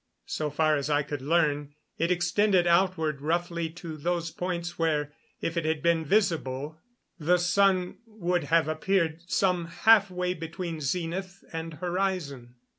So far as I could learn, it extended outward roughly to those points where if it had been visible the sun would have appeared some halfway between zenith and horizon.